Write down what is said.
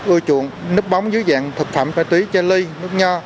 ưa chuộng nước bóng dưới dạng thực phẩm ma túy chai ly nước nho